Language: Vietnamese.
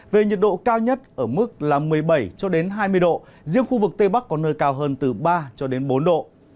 về nhiệt độ cao nhất ở mức một mươi bảy hai mươi độ riêng khu vực tây bắc có nơi cao hơn từ ba cho đến bốn độ